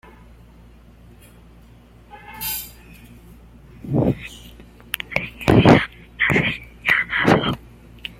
Shinya Nasu